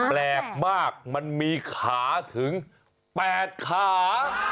แปลกมากมันมีขาถึง๘ขา